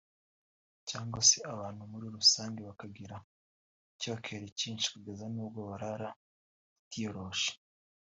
cyangwa se abantu muri rusange bakagira icyokere cyinshi kugeza n’ubwo barara batiyoroshe